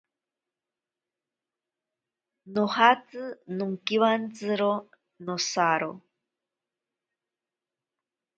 Nojatsi nonkiwantsiro nosaro.